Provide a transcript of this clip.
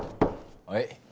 はい。